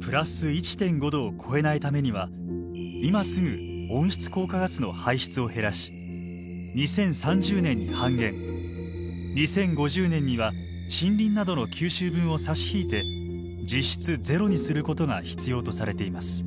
プラス１．５℃を超えないためには今すぐ温室効果ガスの排出を減らし２０３０年に半減２０５０年には森林などの吸収分を差し引いて実質ゼロにすることが必要とされています。